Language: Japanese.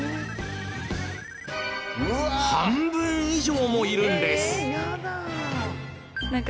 半分以上もいるんです。